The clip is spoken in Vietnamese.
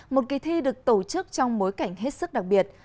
một kỳ thi được tổ chức trong bối cảnh hết sức đặc biệt